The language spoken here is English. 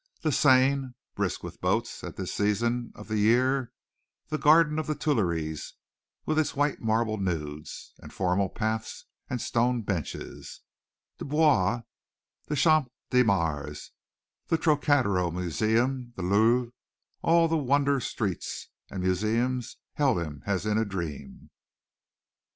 The Seine, brisk with boats at this season of the year, the garden of the Tuileries, with its white marble nudes and formal paths and stone benches, the Bois, the Champ de Mars, the Trocadero Museum, the Louvre all the wonder streets and museums held him as in a dream.